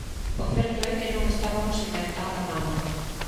O certo é que non estabamos inventando nada.